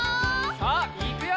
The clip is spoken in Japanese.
さあいくよ！